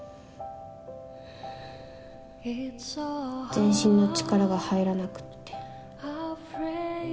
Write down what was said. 全身の力が入らなくって。